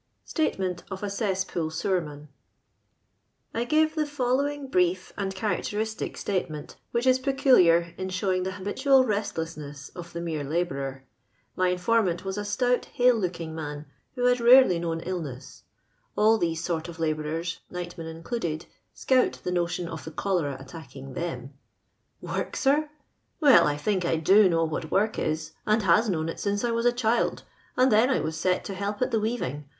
SxATEilENT OF A CeSSPOOL SeWERMAN. I (;rvE the following hricf and characteristic stiiteiinnt, winch is pecuHar in shewing the habitual n'stlessness of the mere labourer. My informant was a stout, hale h)(»king man, who had rari^ly known illness. All tho^o sort of labourers (nightmen included) scout the notion of the cholera attacking ihcmf " Work, sir ? Well, I think I do know what Work is, and has known it since I was a child ; and then I was set to help at the weaving.